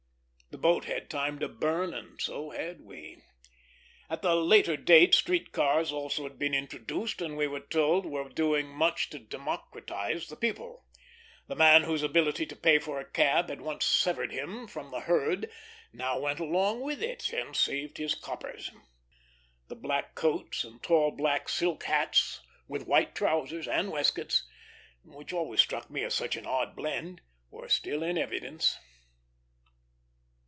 The boat had time to burn, and so had we. At the later date, street cars also had been introduced, and we were told were doing much to democratize the people. The man whose ability to pay for a cab had once severed him from the herd now went along with it, and saved his coppers. The black coats and tall black silk hats, with white trousers and waistcoats, which always struck me as such an odd blend, were still in evidence.